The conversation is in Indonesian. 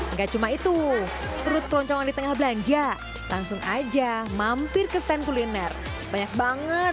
enggak cuma itu perut keroncongan di tengah belanja langsung aja mampir ke stand kuliner banyak banget